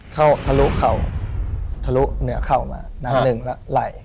ทะลุเข่าทะลุเหนือเข่ามานัดหนึ่งแล้วไหล